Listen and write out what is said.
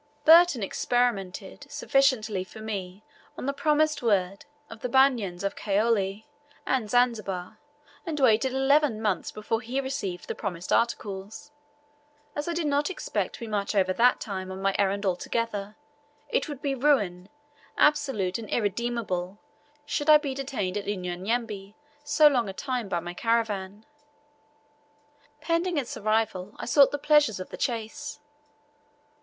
Burton experimented sufficiently for me on the promised word of the Banyans of Kaole and Zanzibar, and waited eleven months before he received the promised articles. As I did not expect to be much over that time on my errand altogether, it would be ruin, absolute and irremediable, should I be detained at Unyanyembe so long a time by my caravan. Pending its arrival, I sought the pleasures of the chase.